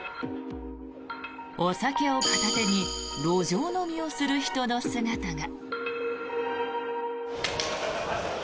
お酒を片手に路上飲みをする人の姿が。